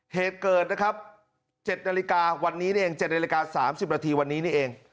เหตุเกิดนะครับ๗นาฬิกาวันนี้นี่เอง๗นาฬิกา๓๐นาทีวันนี้นี่เอง